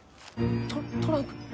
トトランク。